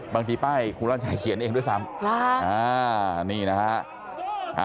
บางทีป้ายคุณร่านชัยเขียนเองด้วยซ้ำ